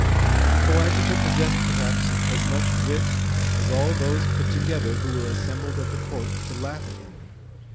The coadjutor possessed, perhaps, as much wit as all those put together who were assembled at the court to laugh at him.